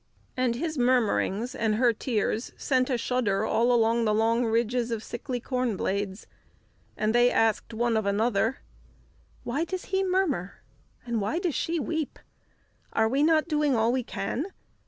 And his murmurings and her tears sent a shudder all along the long ridges of sickly corn blades, and they asked one of another, "Why does he murmur? and, Why does she weep? Are we not doing all we can?